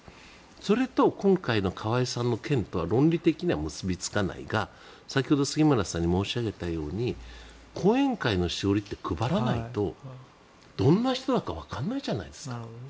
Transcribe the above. それと今回の河合さんの件とは論理的には結びつかないが先ほど杉村さんに申し上げたように後援会のしおりって配らないとどんな人だかわからないじゃないですか。